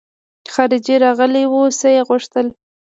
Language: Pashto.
خارجۍ راغلې وه څه يې غوښتل.